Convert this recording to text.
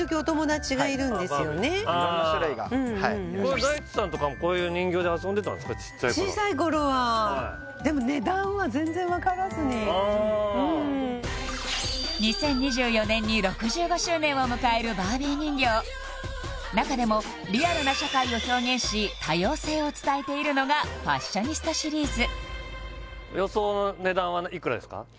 ちっちゃい頃は小さい頃はでも２０２４年に６５周年を迎えるバービー人形中でもリアルな社会を表現し多様性を伝えているのがファッショニスタシリーズ予想の値段はいくらですか？